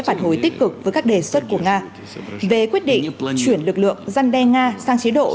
phản hồi tích cực với các đề xuất của nga về quyết định chuyển lực lượng dân đe nga sang chế độ